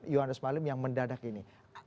yohannes marlim yang mendadak ini